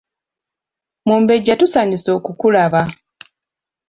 Mumbejja tusanyuse okukulaba.